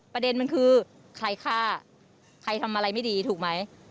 ประเด็นมันคือใครฆ่าใครทำอะไรไม่ดีถูกไหม